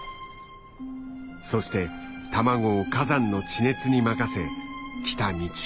そして卵を火山の地熱に任せ来た道を帰る。